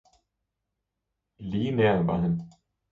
lige nær var han.